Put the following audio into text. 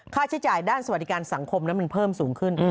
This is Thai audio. ค่าใช้จ่ายด้านสวัสดิการสังคมนั้นมันเพิ่มสูงขึ้น